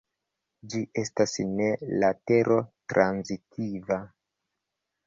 Ĝi estas ne latero-transitiva.